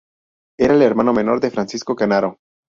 Era el hermano menor de Francisco Canaro.